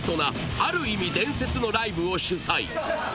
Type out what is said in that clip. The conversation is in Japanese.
ある意味伝説のライブを主催